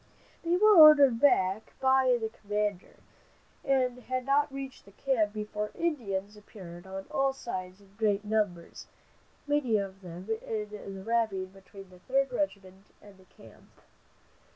They were ordered back by the commander, and had not reached camp before Indians appeared on all sides in great numbers, many of them in the ravine between the Third Regiment and the camp.